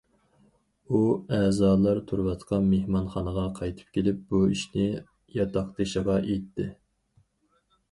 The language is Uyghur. ئۇ ئەزالار تۇرۇۋاتقان مېھمانخانىغا قايتىپ كېلىپ، بۇ ئىشنى ياتاقدىشىغا ئېيتتى.